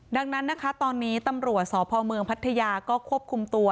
ดังนั้นนะคะตอนนี้ตำรวจสพเมืองพัทยาก็ควบคุมตัว